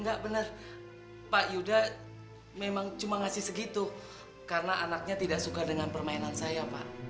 enggak benar pak yuda memang cuma ngasih segitu karena anaknya tidak suka dengan permainan saya pak